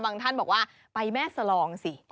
ท่านบอกว่าไปแม่สลองสิ